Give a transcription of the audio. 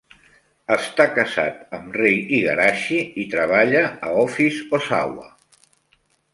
Està casat amb Rei Igarashi i treballa a Office Osawa.